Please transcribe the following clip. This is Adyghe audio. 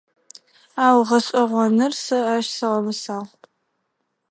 Ау, гъэшӏэгъоныр, сэ ащ сигъэмысагъ.